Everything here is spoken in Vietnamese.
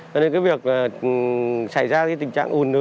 nên cái việc xảy ra tình trạng ồn ứ